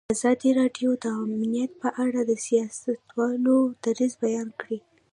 ازادي راډیو د امنیت په اړه د سیاستوالو دریځ بیان کړی.